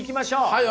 はい。